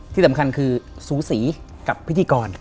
ที่สำคัญคือสูสีกับพิธีกร